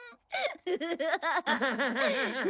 アハハハハ！